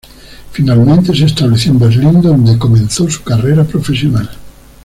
Finalmente se estableció en Berlín donde comenzó su carrera profesional.